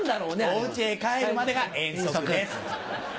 「お家へ帰るまでが遠足です」。